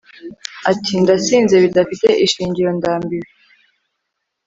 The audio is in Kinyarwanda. Ati Ndasinzebidafite ishingiro ndambiwe